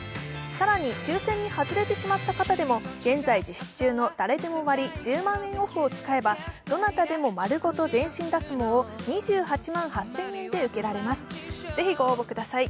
更に、抽選で外れてしまった方でも現在実施中の「だれでも割１０万円ＯＦＦ」を使えばどなたでもまるごと全身脱毛を２８万８０００円で受けられます。